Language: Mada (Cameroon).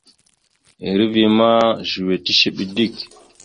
Eriveya ma zʉwe tishiɓe dik.